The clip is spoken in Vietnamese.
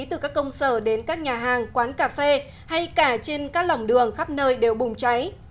từ các công sở đến các nhà hàng quán cà phê hay cả trên các lỏng đường khắp nơi đều bùng cháy